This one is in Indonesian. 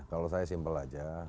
kalau saya simple aja